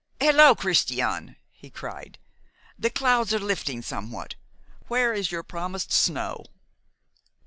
"Hello, Christian," he cried, "the clouds are lifting somewhat. Where is your promised snow?"